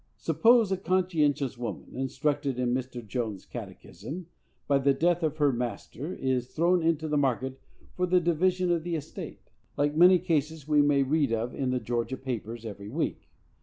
Suppose a conscientious woman, instructed in Mr. Jones' catechism, by the death of her master is thrown into the market for the division of the estate, like many cases we may read of in the Georgia papers every week.